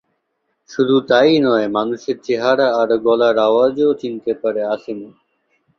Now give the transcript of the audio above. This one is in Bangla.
শুধু তা ই নয় মানুষের চেহারা আর গলার আওয়াজও চিনতে পারে আসিমো।